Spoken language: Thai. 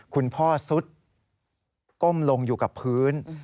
คุณพ่อซุดก้มลงอยู่กับพื้น